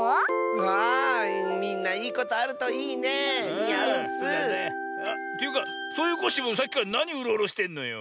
あみんないいことあるといいね！にあうッス！というかそういうコッシーもさっきからなにうろうろしてんのよ。